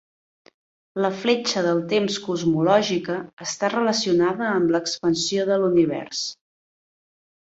La fletxa del temps cosmològica està relacionada amb l'expansió de l'univers.